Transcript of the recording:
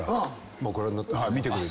もうご覧になって？